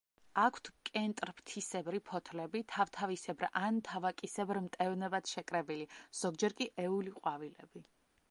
აქვთ კენტფრთისებრი ფოთლები, თავთავისებრ ან თავაკისებრ მტევნებად შეკრებილი, ზოგჯერ კი ეული ყვავილები.